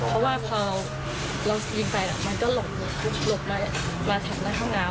เพราะว่าพอเราเรายิงไปน่ะมันก็หลบหลบไปมาถัดหน้าข้างน้ำ